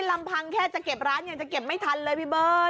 ลำพังแค่จะเก็บร้านยังจะเก็บไม่ทันเลยพี่เบิร์ต